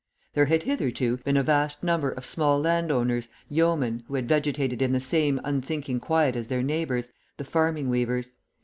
There had, hitherto, been a vast number of small landowners, yeomen, who had vegetated in the same unthinking quiet as their neighbours, the farming weavers.